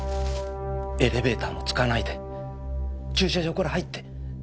エレベーターも使わないで駐車場から入って。